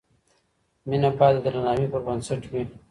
مینه باید د درناوي پر بنسټ وي.